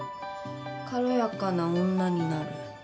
「軽やかな女になる」